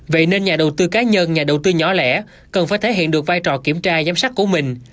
vậy nên nhà đầu tư cá nhân nhà đầu tư nhỏ lẻ cần phải thể hiện được vai trò kiểm tra giám sát của mình